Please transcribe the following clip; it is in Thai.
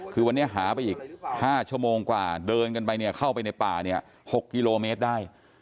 คือวันนี้หาไปอีก๕ชั่วโมงกว่าเดินกันไปเนี่ยเข้าไปในป่าเนี่ย๖กิโลเมตรได้